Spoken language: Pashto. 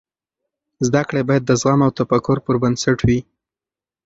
زده کړې باید د زغم او تفکر پر بنسټ وي.